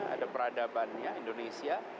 ada peradabannya indonesia